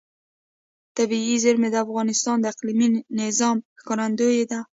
طبیعي زیرمې د افغانستان د اقلیمي نظام ښکارندوی ده.